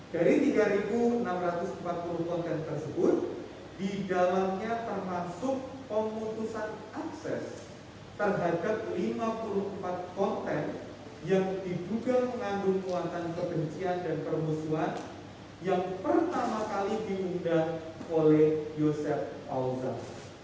dari tiga ribu enam ratus empat puluh konten tersebut didalamnya termasuk pemutusan akses terhadap lima puluh empat konten yang dibuka mengandung kuatan kebencian dan permusuhan yang pertama kali diundang oleh joseph auser